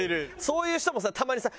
そういう人もさたまにさ